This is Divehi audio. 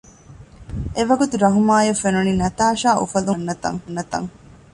އެވަގުތު ރަހުމާއަށް ފެނުނީ ނަތާޝާ އުފަލުން ހެމުން އަންނަތަން